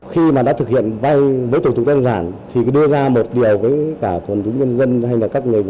khi mà đã thực hiện vay với thủ tục tân giản thì đưa ra một điều với cả thuận thống nhân dân hay là các người